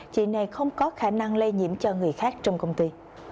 chị này không có khả năng lây nhiễm cho người khác trong công ty